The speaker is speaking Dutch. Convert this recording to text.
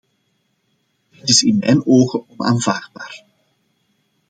Dat is in mijn ogen onaanvaardbaar.